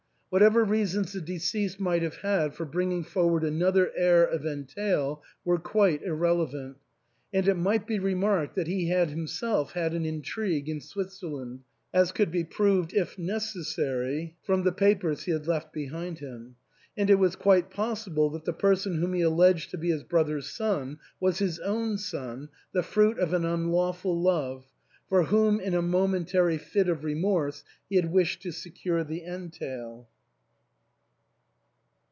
Whatever reasons the deceased might have had for bringing forward another heir of entail were quite ir relevant. And it might be remarked that he had him self had an intrigue in Switzerland, as could be proved if necessary from the papers he had left behind him ; and it was quite possible that the person whom he al leged to be his brother's son was his own son, the fruit of an unlawful love, for whom in a momentary fit of remorse he had wished to secure the entail.